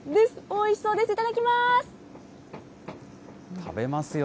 おいしそうです、いただきます。